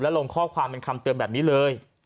ลงข้อความเป็นคำเตือนแบบนี้เลย